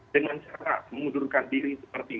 dengan cara mengundurkan diri